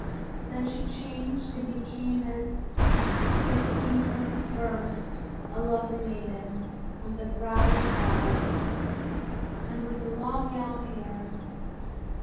Then she changed and became as he had seen her first a lovely maiden, with the brow of a goddess, and with long yellow hair.